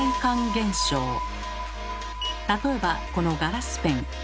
例えばこのガラスペン。